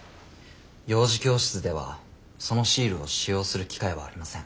幼児教室ではそのシールを使用する機会はありません。